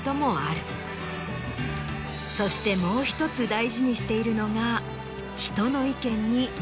そしてもう１つ大事にしているのが。